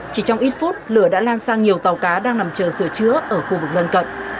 chỉ trong ít phút lửa đã lan sang nhiều tàu cá đang nằm chờ sửa chữa ở khu vực lân cận